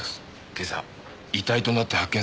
今朝遺体となって発見された。